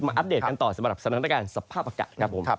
มาอัปเดตกันต่อสำหรับสนับสนับสนุนการสภาพอากาศ